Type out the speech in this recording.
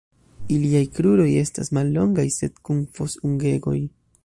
Iliaj kruroj estas mallongaj, sed kun fos-ungegoj.